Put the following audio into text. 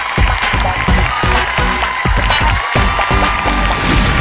สวัสดีครับ